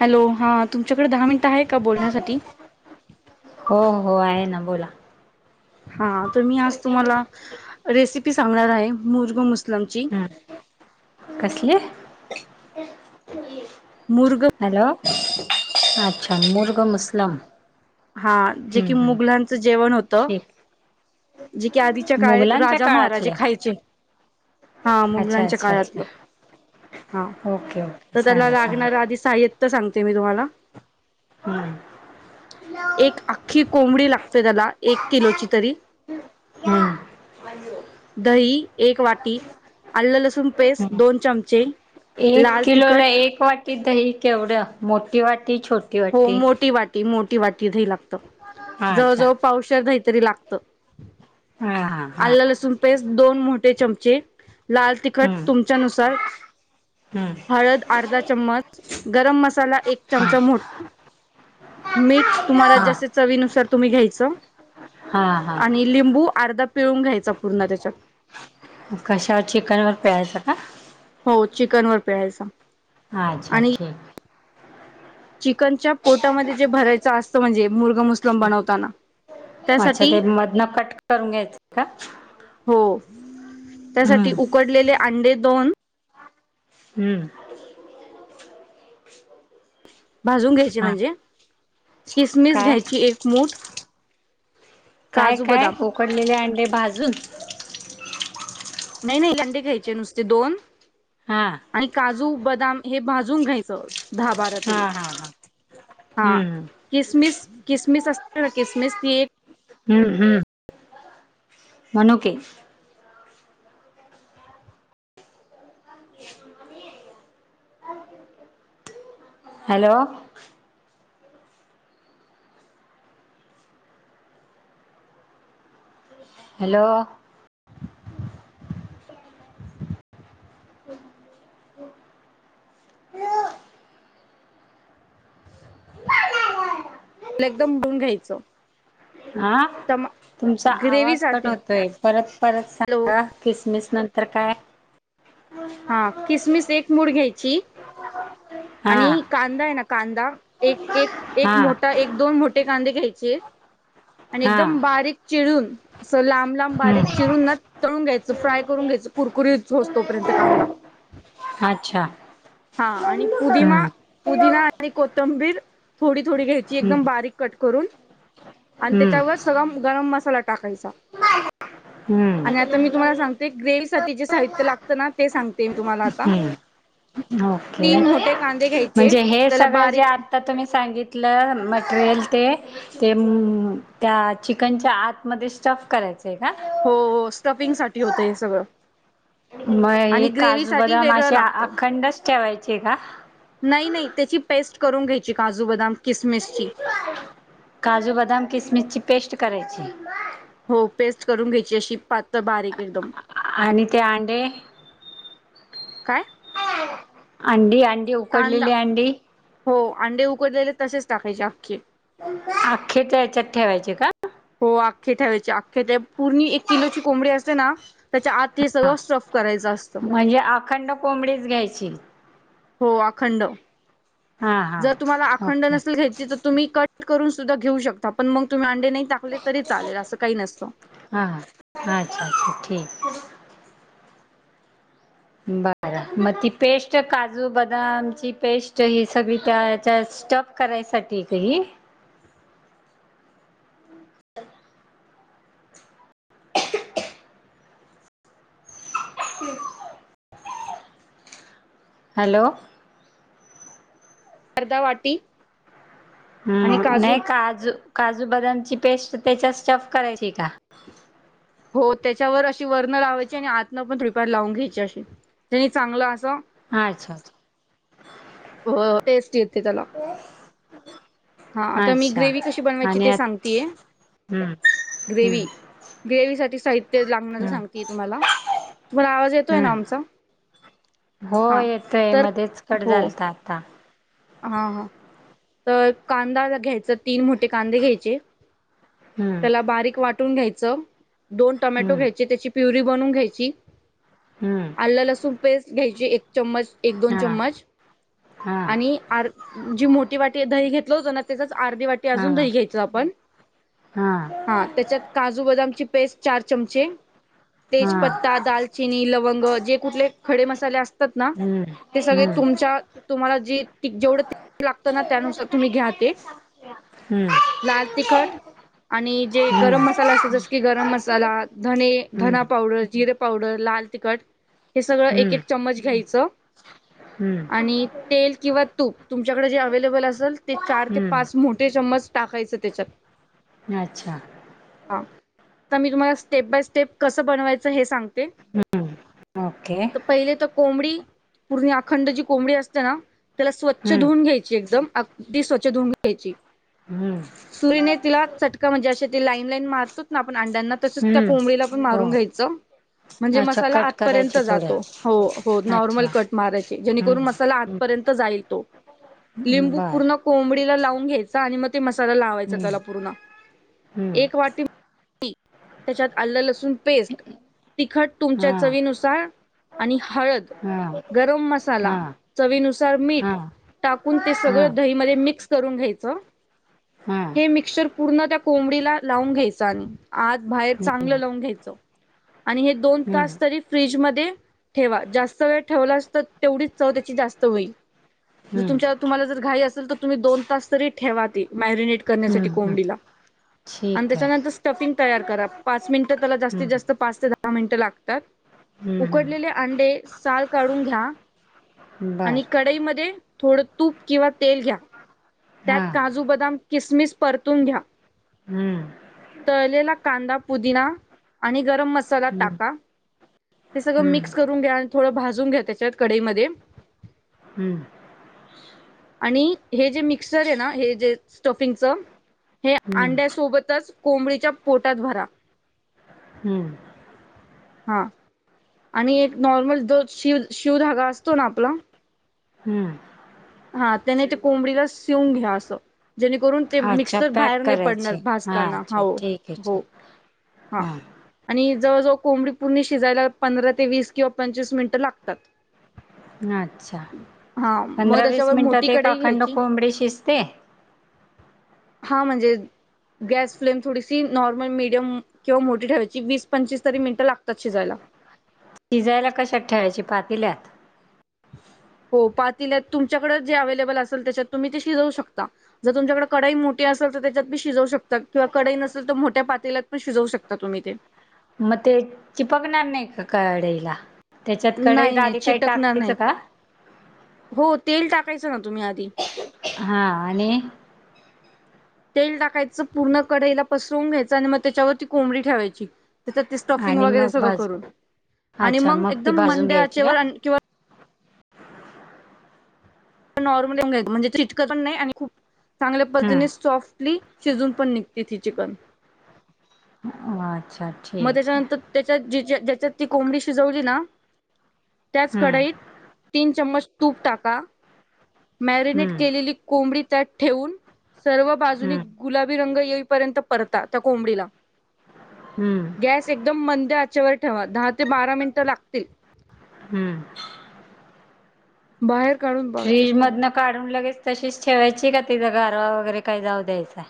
Hello हां तुमच्याकडे दहा मिन्टं आहे का बोलण्यासाठी? होहो आहेना बोला. हां तर मी आज छोट्या तुम्हाला मुलांची रेसिपी सांगणार आहे मुरग मुस् हम् कसले? मुर्ग अच्छा मुर्ग मुस्लम. हां हम्म जेकी हम्म मुघलांचं जेवण होतं. ठीक जे की आधीच्या काळात मुघलांच्या राजा महाराजे काळातलं खायचे हा अच्छा मुघलांच्या अच्छा अच्छा काळातलं हा ओके ओके तर त्याला सांगा लागणार सांगा आधी साहित्य त्य सांगते मी तुम्हाला हम्म एक आख्खी कोंबडी लागते त्याला एक किलोची तरी हम्म दही एक वाटी आलं लसूण ण पेस्ट हम्म दोन चमचे एक लाल किलोला तिखट एक वाटी दही केवढ मोठी वाटी छोटी हो वाटी मोठी वाटी मो मोठी वाटी दही लागत हा जवळ अच्छा जवळ पावशेर तरी लागतं हा हा हा आलं लसूण पेस्ट दोन मोठे चमचे लाल तिखट हम्म तुमच्यानुसार हम्म हळद अर्धा चम्मच गरम मसा मसाला एक हा चमचा मोठा मीठ तुम्हाला जसे चवीनुसार तुम्ही घ्यायचं हा हा हा आणि लिंबू अर्धा पिळून घ्यायचा पूर्ण त्याच्यात कशावर चिकन वर पिळायचा का हो चिकन वर पिळायचा हा अच्छा आणि ठीक चिकनच्या पोटामध्ये जे भरायच असतं म्हणजे मुर्गा मशरूम ठीक बनवताना अच्छा त्यासाठी ते मधन कट करून घ्यायचं का हो त्यासाठी हम्म उकडलेले अंडे दोन हम्म भाजून घ्यायचे हा म्हणजे किसमिस काय घ्यायची एक मूठ काय काजू काय बदाम उकडलेले अंडे भाजून नाही नाही अंडे घ्यायचे नुसते दोन हा आणि काजू ब बदाम हे भाजून घ्यायचं दहा बारा हा तरी हा हा हा हम्म किसमिस किसमिस असत ना किसमिस ती एक हम्म हम्म मनुके हॅलो हॅलो लेगदम धुवून घ्यायचं हा टमा तुमचा ग्रेवी आवाज कट साठी होतोय परत परत हॅलो सांगा किसमिस नंतर काय हा किसमिस एक मूठ घ्यायची हा आणि कांदा आहे ना कांदा एक एक हा मोठा एक दोन मोठे कांदे घ्यायचे आणि हा एकदम बारीक चिरून लांब लांब हम्म बारीक चिरून ना तळून घ्यायचं फ्राय करून घ्यायचं कुरकुरीत होईस तोपर्यंत कांदा अच्छा हा आणि पुदिमा हम्म पुदिना आणि कोथिं तंबीर थोडी थोडी घ्यायची हम्म एकदम बारीक कट करून आणि हम्म त्याच्यावर सगळ गरम मसाला टाकायचा. हम्म हम्म आणि आता मी तुम्हाला सांगते ग्रेव्ही साठी जे साहित्य लागतं ना ते सांगते. ते मी तुम्हाला आता ओके तीन मोठे कांदे घ्यायचे म्हणजे हे त्याला सगळं जे बारीक आता तुम्ही सांगितल तलं मटेरियल ते ते त्या चिकनच्या आतमध्ये स्टफ करायचं आहे का? हो स्टफिंग साठी होतं हे सगळं मग हे आणि ग्रेव्ही काजू साठी बदाम वेगळं असे लागतं अखंडच ठेवायचे का? नाही नाही त्याची पेस्ट करून घ्यायची काजू बदाम किसमिसची काजू बदाम किसमिस ची पेस्ट करायची. हो पेस्ट करून घ्यायची अशी पात्तळ बारीक एकदम त्याडे काय अंडी अंडी कांदा उकडलेली अंडी हो अंडे उकडलेले तसेच टाकायचे आखे अख्खे त्या या्याच्यात ठेवायचे का हो आख्खे ठेवायचे अख्े ते पूर्णी एक किलोची कोंबडी असते ना त्याच्या आत हे हा सगळं स्टफ करायच असत म्हणजे अखंड कोंबडीच घ्यायची हो अखंड हा जर तुम्हाला हा अखंड ओके नसेल घ्यायची तर तुम्ही कट करून सुद्ा घेऊ शकता पण मग तुम् नाही टाकले तरी चाले अस काही नसत ठठी बर मग ती पेस्ट काजू बदामची पेस्ट ही सगळी त्या हच्या स्टॉप करायसाठी काही ह हॅलो अर्दा वाटी आणि हम् काजू नाही काजू काजू, बदम. पेस्ट त्याच्या स्टफ करायची का? हो त्याच्यावर अशी वर्ण लावायची आणि आतन पण रिपर लावून घ्यायची अशी त्यानी चांगलं अच्छा हो टेस्ट येते त्याला. [inaudible] हा अच्छा आता मी अच्छा ग्रेव्ही कशी बनवायची आणि ते आत सांगतेय. हम्म हम्म ग्रेव्ही ग्रेव्ही सा ते लागणार तर हम्म सांगतेय तुम्हाला. तुम्हाला आवाज येतोय ना हम्म आमचा? हो हा येतोय तर मध्येच कट हो झालता आता. हां हां तर कांदा घ्यायचा तीन मोठे कांदे घ्यायचे हम्म त्याला बारीक वाट घ्यायच. दोन टोमॅटो हम्म घ्यायचे, त्याची प्युरी बनून घ्यायची. हम्म आलं, लसूण पेस्ट घ्यायची एक चम्मच एक दोन हा चम्मच हा आणि आर जी मोठी वाटी दही घेतलं होत ना त्याचा [unintelligible] वाटी हा अजून हा दही घ्यायच आपण हा त्याच्या काजू बदामची पेस्ट चार चमचे, तेजपत्ता, हा दालचिनी लवंग जे कुठले खडे मसाले असतात ना हम्म ते सगळे हम्म तुमच्या तुम्हाला जे जेवढं लागत ना त्यानुसार तुम्ही घ्या ते. हम्म तिकट आणि जे गरम हम्म मसाला असतो जस की गरम मसाला, धने, धना हम्म पावडर, जिरे पावडर, ला लाल तिखट हे सगळं एक एक चमच घ्यायचं हम्म आणि तेल किंवा तूप तुमच्याकडे जे अव्लेबल असेल ते चार ते पाच हम्म मोठे चम्मच टाकायचे त्याच्यात. अच्छा. आ मी तुम्हाला स्टेप बाय स्टेप कसं बनवायचं हे सांगते. हम्म ओके तर पहिले तर कोंबडी पूर्ण अखंड जी कोंबडी असते ना त्याला स्वच्छ हम्म धुवून घ्यायची एकदम. स्वच्छ धुून घ्यायची. सुरीने तिला हम्म चटका म्हणजे अशे. ते लाईन लाईन मारतोत ना आपण अंड्यांना तसच त्या हम्म कोंबडीला पण हो मारून घ्यायचं. म्हणजे अच्छा मसाला कट आपर्यंत करायचे थोडे जातो हो हो नॉर्मल अच्छा कट मारायची जेणेकरून हम्म मसाला आपर्यंत जातो. [unintelligible] हम्म लिंबू बर पूर्ण कोंबडीला लावून घ्यायचा आणि मग मसाला लावायचा त्याला हम्म पूर्ण हम्म एक वाटी त्याच्यात आल लसुण पेस्ट तिखट तुमच्या हा चवीनुसार आणि हळद. हा गरम मसाला हा चवीनुस मीठ हा हा टाकून ते सगळं दही हा मध्ये मिक्स करून घ्यायचं. हे मिक्चर पूर्ण त्या कोंबडीला लावून घ्यायचं आणि. आत बाहेर हम्म चांगलं लावून घ्यायचं. आणि हे दोन तास हम्म तरी फ्रीजमध्ये ठेवा जास्त वेळ ठेवला असतं तर तेवढीच चव त्याची जास्त होईल. जर हम्म तुमच्या तुम्हाला जर घाई असेल तर तुम्ही दोन तास तरी ठेवा. ते मॅरिनेट करण्यासाठी हम्म हम्म कोंबडीला. आणि ठीक आहे त्याच्यानंतर स्टफिंग तयार करा पाच मिनिटं त्याला जास्तीत हम्म जास्त पाच ते दहा मिनिटं लागतात. हम्म उकडलेले हम्म अंडे साल काढून घ्या. बरं. थोड तूप किव्हा तेल घ्या, त्यात हा काजू, बदाम, किसमीस परतून घ्या हम्म तळलेला कांदा, पुदिना आणि गरम मसाल हम्म टाका. हे थोड हम्म मिक्स करून घ्या आणि थोडं भाजून घ्या त्याच्यात कडईमध्ये हम्म आणि हे जे मिक्सर ये ना, हे जे स्टफिंगच हे हम्म अंड्यासोबतच कोंबडीच्या पोटात भरा. हम्म. हा आणि एक नॉर्मल जो शिर शिवधागा असतो ना आपला हम्म. आ त्याने त्या कोंबडीला शिवून घ्या असं जेणेकरून ते अच्छा मिक्सर पॅक बाहेर नई पडणार करायची हा भाजताना अच्छा हौ ठीक आहे हो ठीक हा हां आणि जवळजवळ कोंबडी पूर्णी शिजायला पंधरा ते वीस किंवा पंचवीस मिनिटं लागतात. नच्छा! हा मग पंधरा वीस त्याच्यावर मिनटात मोठी एक कढई अखंड घ्यायची कोंबडी शिजते. हा म्हणजे गॅस फ्लेम थोडीशी नॉर्मल मिडियम किंवा मोठी ठेवायची, वीस पंचवीस तरी मिनटं लागतात शिजायला [inaudible] शिजायला कशात ठेवायची पातील्यात? हो पातील्यात तुमच्याकड जे अवेलेबल असेल त्याच्यात तुम्ही ती शिजवू शकता जर तुमच्याकड कडई मोटी टी असल तर त्याच्यात बी शिजवू शकातात किंवा कडई नसेल तर मोठ्या पातेल्यात पण शिजवू शकता तुम्ही ते म ते चिपकणार नाई का कडईला? त्याच्यात नाही कडईत नाही आधी काही चिटकणार टाकायचं नाही. का? हो तेल टाकायचं ना तुम्ही आधी हा आणि तेल टाकायचं, पूर्ण कढईला पसरवून घ्यायचं आणि मग त्याच्यावर ती कोंबडी ठेवायची. त्याच्या ते स्टफिंग आणि वगैरे मग सगळं भाजू करून आणि अच्छा मंग मग ती एकदम भाजून घ्यायची का मंद्याचेवर आणी किंवा नॉर्मली [unintelligible] म्हणजे चिटकत पण नाही आणि खूप चांगल्या पद्धतीने सॉफ्टली शिजून पण निघती ती चिकन [unintelligible] मग ठीक त्याच्यानंतर आहे त्याच्या जिच्या ज्याच्यात ती कोंबडी शिजवली ना त्याच हम्म कढईत तीन चम्मच तूप टाका. मॅरिनेट हम्म केलेली कोंबडी त्यात ठेवून सर्व बाजूनी हम्म गुलाबी रंग ये येईपर्यंत परता त्या कोंबडीला हम्म गॅस एकदम मंद्यआचेवर ठेवा, दहा ते बारा मिनटं लागतील. हम्म. बाहेर काढून बाजूला फ्रीज ठेवा मधन काढून लगेच तशीच ठेवायची का तिचा गारवा वगैरे काही जाऊ द्यायचा?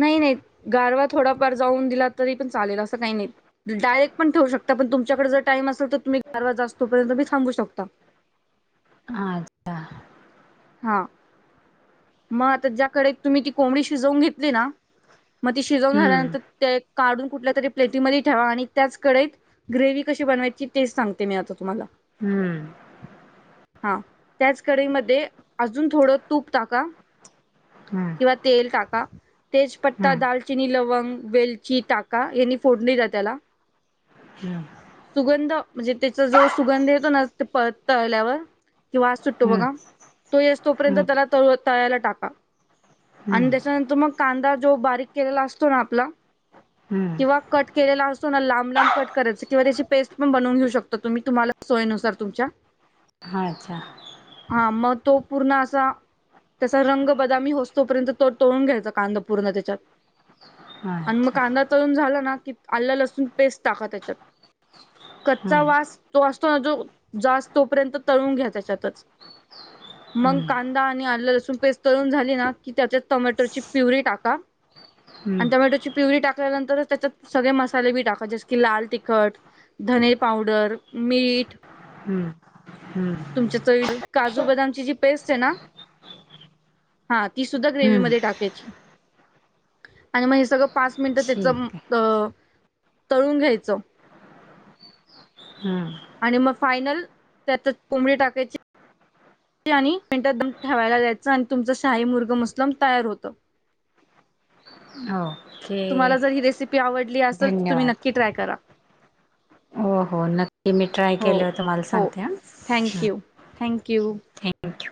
नाही नाही गारवा थोडाफार जाऊन दिला तरी पण चालेल असं काही नाही, डायरेक्ट पण ठेवू शक ता पण तुमच्याकडे जर टाइम असेल तर तुम्ही गारवा जाऊस तोपर्यंत बी थांबू शकता. आच्छा! हा मग आता ज्याकडे तुम्ही ती कोंबडी शिजवून घेतली ना म ती शिजवून हम्म झाल्यानंतर ते काढून कुठल्या तरी प्लेटीमध्ये ठेवा आणि त्याच कडईत ग्रेवी कशी बनवायची ते सांगते मी आता तुम्हाला हम्म्. हा त्याच कढईमध्ये अजून थोडं तूप टाका. हम्म किंवा तेल टाका, तेजपट्टा, हम्म दालचिनी, लवंग वेलची टाका, यांनी फोडणी द्या त्याला [unintelligible] सुगंध म्हणजे त्याचा जो सुगंध येतो ना ते प तळल्यावर कि वास सुटतो हम्म बघा, तो येस तोपर्यंत हम्म त्याला त तळायला टाका. आणि हम्म त्याच्यानंतर मग कांदा जो बारीक केलेला असतो ना आपला किंवा हम्म कट केलेला असतो ना लांब लांब कट कराचं किंवा त्याची पेस्ट पण बनवून घेऊ शकतो तुम्ही, तुम्हाला सोयनुसार तुमच्या हाच्छा हा मग तो पूर्ण असा त्याचा रंग बदामी होस तोपर्यंत तो तोळून घ्यायचा कांदा पूर्ण त्याच्यात आणि मग अच्छा कांदा तळून झाला ना की आला लसूण पेस्ट टाका त्याच्यात कच्चा हम्म वास तो असतो ना जो जास तोपर्यंत तळून घ्या त्याच्यातच मग हम्म [unintelligible] कांदा आलं लसूण पेस्ट तरून झाली ना की त्याच्या टोमॅटोची प्युरी टाका हम्म आणि टोमॅटोची पिवरी टाकल्यानंतरच त्याच्यात सगळे मसाले बी टाका जस की लाल तिखट धने पावडर मीठ हम्म हम्म तुमच्या [inaudible] चवीला काजू बदामची जी पेस्ट आहे ना हा ती सुद्धा ग्रेवी म हम्म टाकायची आणि मग हे सगळं पाच मिनिटं त्याच ठीक अ आहे तळून घ्यायचं हम्म आणि मग फायनल त्यात [unintelligible] कोंबडी टाकायची आणि मिनट दम ठेवायला जायचं आणि तुमचं शाही मुर्गं मुस्लम तयार होतं हवं तुम्हाला जर ही रेसिपी आवडली असेल तर तुम्ही धन्यवाद नक्की ट्राय करा हो हो नक्की मी ट्राय हो केलं होत तुम्हाला हो सांगते थँक्यू थँक्यू थँक्यू